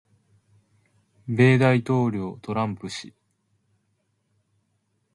米大統領トランプ氏